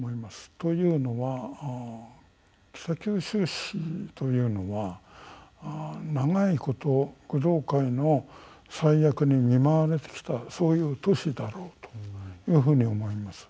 というのは、北九州市というのは長いこと工藤会の災厄に見舞われてきたそういう都市だろうというふうに思います。